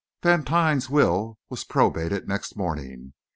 Vantine's will was probated next morning.